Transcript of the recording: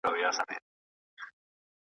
مخامخ یې کړله منډه په ځغستا سو .